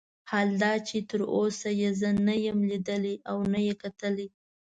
حال دا چې تر اوسه یې زه نه لیدلی یم او نه یې کتلی.